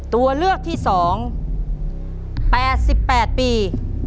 ตัวเลือกที่๒๘๘ปี